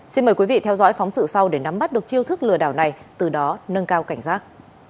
xin mời quý vị theo dõi phóng sự sau để nắm bắt được chiêu thức lừa đảo này từ đó nâng cao cảnh giác